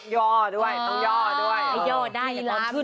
เห็นไหมนี่เห็นไหมโอ้โฮอยู่กับสไตล์แมนอีก